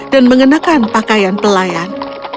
dan mengenakan pakaian pelayan